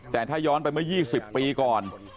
แต่ถ้าย้อนไปเมื่อ๒๐ปีก่อน